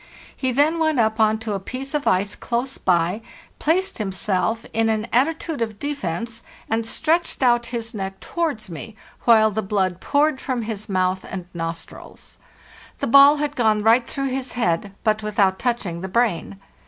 He then went up on to a piece of ice close by, placed himself in an attitude of defence, and stretched out his neck tow 474 FARTHEST NORTH ards me, while the blood poured from his mouth and nostrils. The ball had gone right through his head, but without touching the brain.